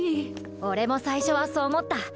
オレも最初はそう思った。